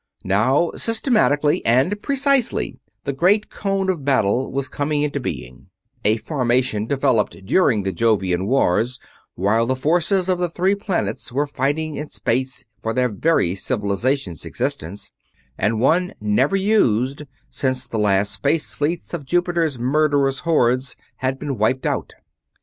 Now, systematically and precisely, the great Cone of Battle was coming into being; a formation developed during the Jovian Wars while the forces of the Three Planets were fighting in space for their very civilizations' existence, and one never used since the last space fleets of Jupiter's murderous hordes had been wiped out.